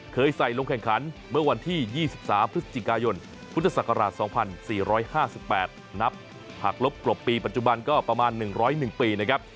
เคยใส่ลงแข่งขันเมื่อวันที่๒๓พฤศจิกายนพุทธศักราช๒๔๕๘นับหากลบกลบปีปัจจุบันก็ประมาณ๑๐๑ปีนะครับ